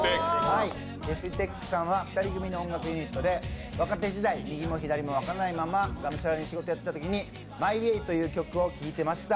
ＤｅｆＴｅｃｈさんは２人組の音楽ユニットで若手時代、右も左も分からないままがむしゃらに仕事やってたときに「ＭｙＷａｙ」という曲を聴いてました。